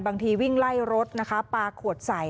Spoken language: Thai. บางทีวิ่งไล่รถนะคะปลาขวดใส่